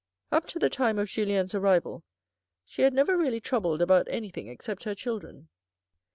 Up to the time of Julien's arrival she had never really troubled about anything except her children.